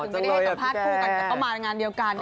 ถึงไม่ได้สัมภาษณ์คู่กันก็เข้ามาในงานเดียวกัน